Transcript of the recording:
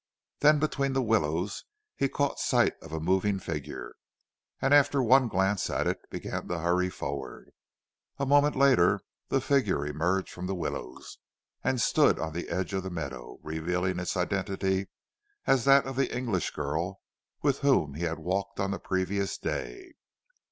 Then between the willows he caught sight of a moving figure, and after one glance at it, began to hurry forward. A moment later the figure emerged from the willows and stood on the edge of the meadow, revealing its identity as that of the English girl with whom he had walked on the previous day.